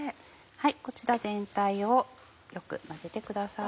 こちら全体をよく混ぜてください。